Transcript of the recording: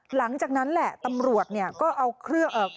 หลังจากนั้นแหละตำรวจก็เอาเครื่อง